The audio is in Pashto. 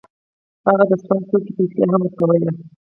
هغه د سونګ توکو پیسې هم ورکولې.